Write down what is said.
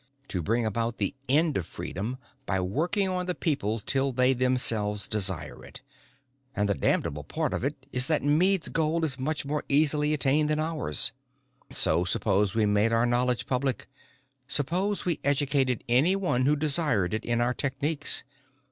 To bring about the end of freedom by working on the people till they themselves desire it. And the damnable part of it is that Meade's goal is much more easily attained than ours. "So suppose we made our knowledge public. Suppose we educated anyone who desired it in our techniques.